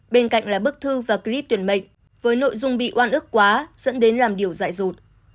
bên cạnh là bức thư và clip tuyển mệnh với nội dung bị oan ức quá dẫn đến làm điều dại dột